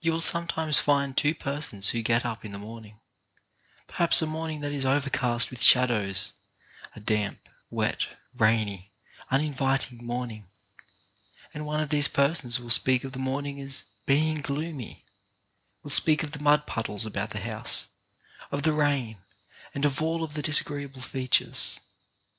You will sometimes find two persons who get up in the morning, perhaps a morning that is over cast with shadows — a damp, wet, rainy, uninvit ing morning — and one of these persons will speak of the morning as being gloomy, will speak of the mud puddles about the house, of the rain, and of all of the disagreeable features.